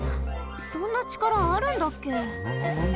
そんなちからあるんだっけ？